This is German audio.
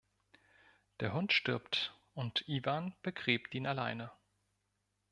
Der Hund stirbt und Yvan begräbt ihn alleine.